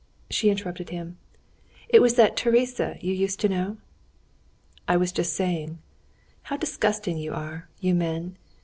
She interrupted him. "It was that Thérèse you used to know?" "I was just saying...." "How disgusting you are, you men!